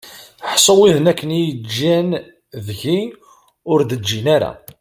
Ḥṣu widen akken i yi-ǧǧan deg-i ur d-ǧǧin ara!